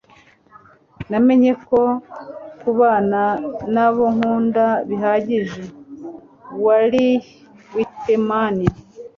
namenye ko kubana n'abo nkunda bihagije - walt whitman